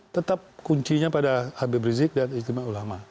tetap kuncinya pada habib rizik dan ijtima ulama